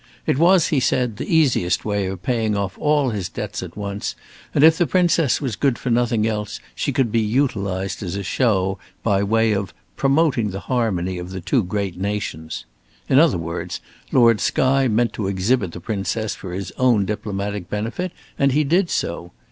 It was, he said, the easiest way of paying off all his debts at once, and if the Princess was good for nothing else, she could be utilized as a show by way of "promoting the harmony of the two great nations." In other words, Lord Skye meant to exhibit the Princess for his own diplomatic benefit, and he did so.